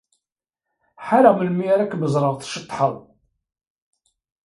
Ḥareɣ melmi ara kem-ẓreɣ tceṭṭḥeḍ.